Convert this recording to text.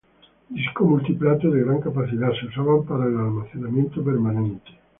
Discos multi-plato de gran capacidad se usaban para el almacenamiento permanente.